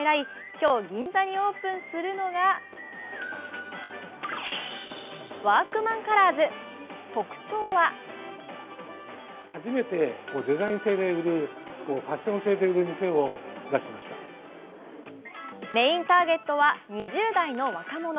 今日銀座にオープンするのがＷｏｒｋｍａｎＣｏｌｏｒｓ、特徴はメインターゲットは２０代の若者。